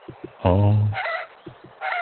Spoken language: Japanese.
はーーー？